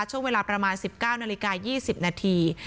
ช่วงเวลาประมาณ๑๙นาฬิกา๒๐นาที